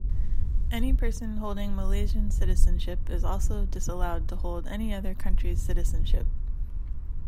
Any person holding Malaysian citizenship is also disallowed to hold any other country's citizenship.